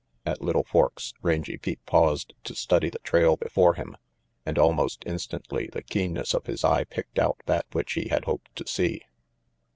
At Little Forks Rangy Pete paused to study the trail before him, and almost instantly the keenness of his eye picked out that which he had hoped to see.